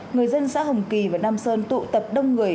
người dân xã hồng kỳ và nam sơn tụ tập đông người